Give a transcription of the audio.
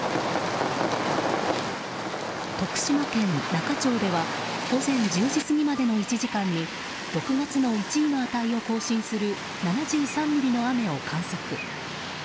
徳島県那賀町では午前１０時過ぎまでの１時間に６月の１位の値を更新する７３ミリの雨を観測。